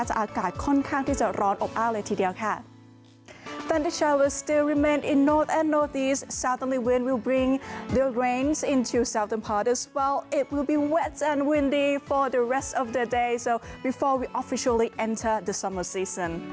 อากาศค่อนข้างที่จะร้อนอบอ้าวเลยทีเดียวค่ะ